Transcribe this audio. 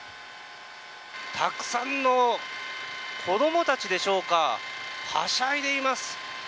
たくさんの子供たちでしょうかはしゃいでいます。